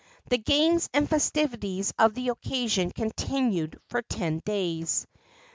The games and festivities of the occasion continued for ten days.